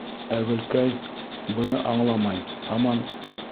Ә Гөлкәй, быны аңламай, һаман: